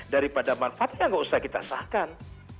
daripada manfaatnya nggak usah kita sahkan